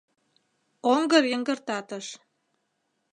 Оҥгыр йыҥгыртатыш.